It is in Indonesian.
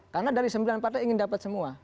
karena dari sembilan partai ingin dapat semua